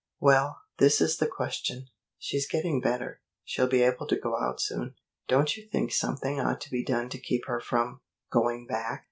"Well, this is the question. She's getting better. She'll be able to go out soon. Don't you think something ought to be done to keep her from going back?"